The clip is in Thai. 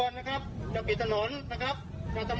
จะปิดถนนนะครับจะทำลายทัพสินของทางร้ายการนะครับ